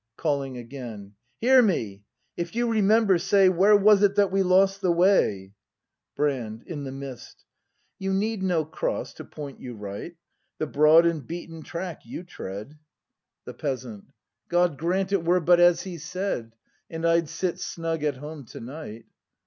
[Calling again.] Hear me, — if you remember, say. Where was it that we lost the way ? Brand. [In the mist.] You need no cross to point you right; —■ The broad and beaten track you tread. 26 BRAND [act i The Peasant. God grant it were but as he said, And I'd sit snug at home to night.